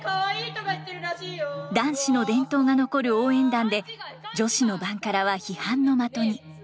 男子の伝統が残る応援団で女子のバンカラは批判の的に。